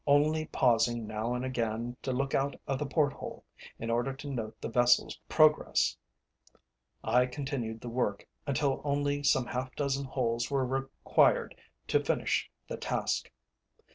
Only pausing now and again to look out of the port hole, in order to note the vessel's progress, I continued the work until only some half dozen holes were required to finish the task.